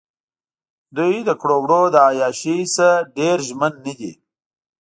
دوۍ دکړو وړو له عیاشۍ نه ډېر ژمن نه دي.